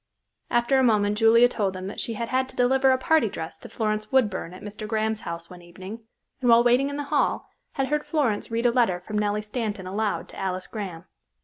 After a moment Julia told them that she had had to deliver a party dress to Florence Woodburn at Mr. Graham's house one evening and, while waiting in the hall, had heard Florence read a letter from Nellie Stanton aloud to Alice Graham.